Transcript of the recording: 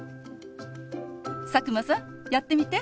佐久間さんやってみて。